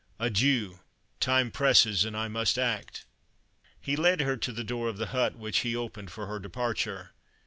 Adieu, time presses, and I must act!" He led her to the door of the hut, which he opened for her departure.